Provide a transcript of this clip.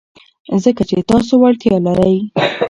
ځکه چې تاسو وړتیا لرئ.